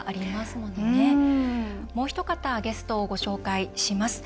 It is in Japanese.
もうひと方ゲストをご紹介します。